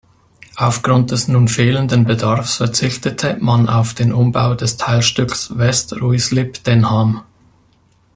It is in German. Aufgrund des nun fehlenden Bedarfs verzichtete man auf den Umbau des Teilstücks West Ruislip–Denham.